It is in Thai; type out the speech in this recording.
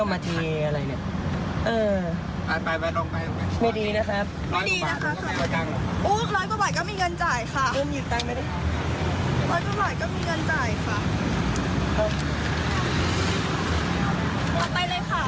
ออกไปต่อสะพีค่ะ